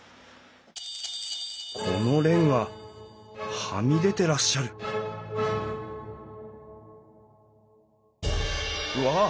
このレンガはみ出てらっしゃるうわっ！